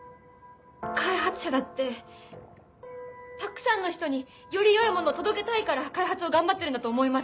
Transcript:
開発者だってたくさんの人により良いものを届けたいから開発を頑張ってるんだと思います。